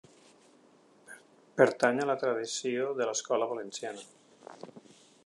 Pertany a la tradició de l'Escola Valenciana.